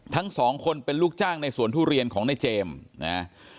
ทั้งสองคนเป็นลูกจ้างในสวนทุเรียนของในเจมส์นะฮะ